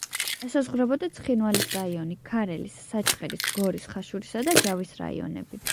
ესაზღვრებოდა: ცხინვალის რაიონი, ქარელის, საჩხერის, გორის, ხაშურისა და ჯავის რაიონები.